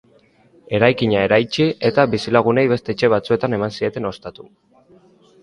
Eraikina eraitsi, eta bizilagunei beste etxe batzuetan eman zieten ostatu.